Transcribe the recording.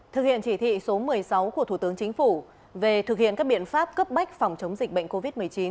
thực hiện chỉ thị số một mươi sáu của thủ tướng chính phủ về thực hiện các biện pháp cấp bách phòng chống dịch bệnh covid một mươi chín